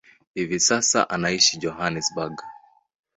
Hivi sasa anaishi Johannesburg.